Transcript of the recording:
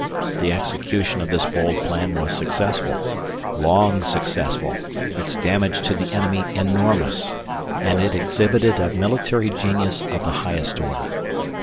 The execution of this bold plan was successful long successful; its damage to the enemy enormous, and it exhibited a military genius of the highest order.